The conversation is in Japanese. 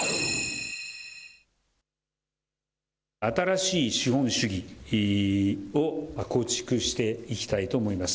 新しい資本主義を構築していきたいと思います。